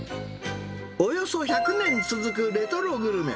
およそ１００年続くレトログルメ。